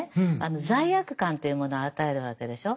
罪悪感というものを与えるわけでしょう。